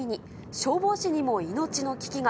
消防士にも命の危機が。